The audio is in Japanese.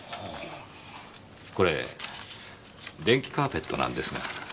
これ電気カーペットなんですが。